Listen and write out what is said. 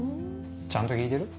ちゃんと聞いてる？